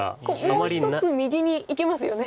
もう１つ右にいきますよね。